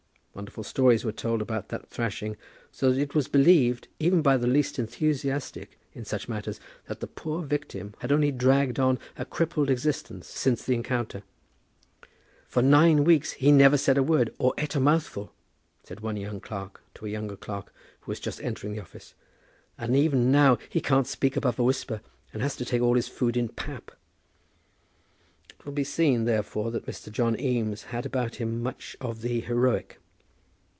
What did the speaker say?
Wonderful stories were told about that thrashing, so that it was believed, even by the least enthusiastic in such matters, that the poor victim had only dragged on a crippled existence since the encounter. "For nine weeks he never said a word or eat a mouthful," said one young clerk to a younger clerk who was just entering the office; "and even now he can't speak above a whisper, and has to take all his food in pap." It will be seen, therefore, that Mr. John Eames had about him much of the heroic.